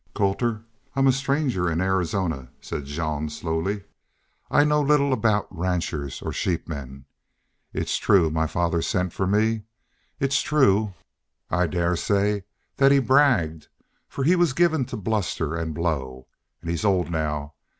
"Colter, I'm a stranger in Arizona," said Jean, slowly. "I know little about ranchers or sheepmen. It's true my father sent for me. It's true, I dare say, that he bragged, for he was given to bluster an' blow. An' he's old now.